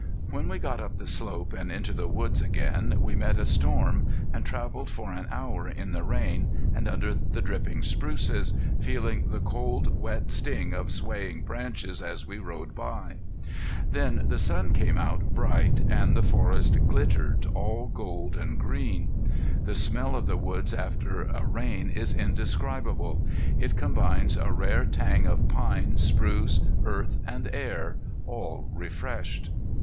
When we got up the slope and into the woods again we met a storm, and traveled for an hour in the rain, and under the dripping spruces, feeling the cold wet sting of swaying branches as we rode by. Then the sun came out bright and the forest glittered, all gold and green. The smell of the woods after a rain is indescribable. It combines a rare tang of pine, spruce, earth and air, all refreshed.